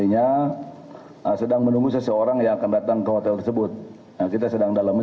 kami dengan beliau sedang memantau kegiatan unjuk rasa buruh